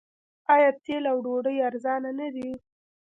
آیا تیل او ډوډۍ ارزانه نه دي؟